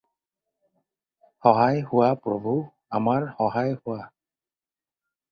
সহায় হোৱা, প্ৰভু, আমাৰ সহায় হোৱা।